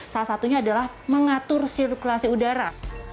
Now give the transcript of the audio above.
salah satunya adalah mengatur sirkulasi udara